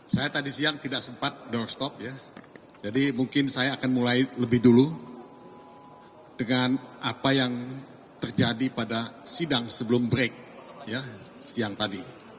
saya tadi siang tidak sempat doorstop ya jadi mungkin saya akan mulai lebih dulu dengan apa yang terjadi pada sidang sebelum break siang tadi